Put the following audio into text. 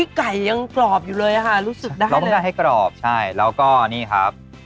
ไก่ยังกรอบอยู่เลยค่ะรู้สึกได้ต้องการให้กรอบใช่แล้วก็นี่ครับ